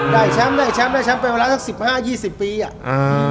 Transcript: ได้แชมป์ได้แชมป์แล้วแชมป์เป็นเวลาสัก๑๕๒๐ปีอ่ะ